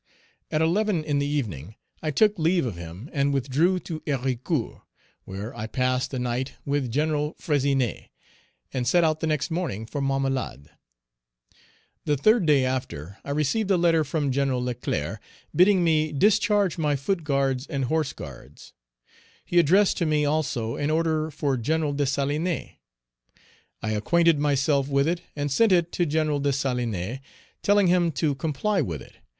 At eleven in the evening, I took leave of him and withdrew to Héricourt, where I passed the night with Gen. Fressinet, and set out the next morning for Marmelade. The third day after, I received a letter from Gen. Leclerc, Page 313 bidding me discharge my foot guards and horse guards. He addressed to me also an order for Gen. Dessalines; I acquainted myself with it and sent it to Gen. Dessalines, telling him to comply with it.